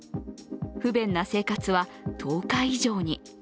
不便な生活は１０日以上に。